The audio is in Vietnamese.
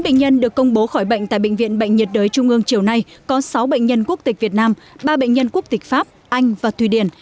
chín bệnh nhân được công bố khỏi bệnh tại bệnh viện bệnh nhiệt đới trung ương chiều nay có sáu bệnh nhân quốc tịch việt nam ba bệnh nhân quốc tịch pháp anh và thụy điển